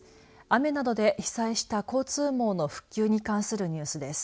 雨などで被災した交通網の復旧に関するニュースです。